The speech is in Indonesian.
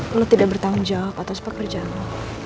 lu lu tidak bertanggung jawab atas pekerjaan lu